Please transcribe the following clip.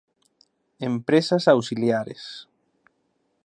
Empresas auxiliares.